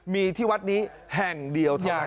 มีที่วัดนี้แห่งเดียวที่